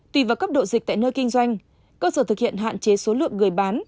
tùy vào cấp độ dịch tại nơi kinh doanh cơ sở thực hiện hạn chế số lượng người bán